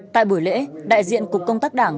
tại buổi lễ đại diện cục công tác đảng